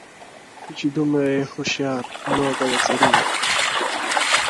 ته چي دومره یې هوښیار نو به وزیر یې !.